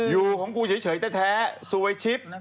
อยู่ของกูเฉยแต่แท้ซวยชิบ